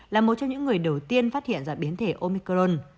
là một trong những người đầu tiên phát hiện ra biến thể omicron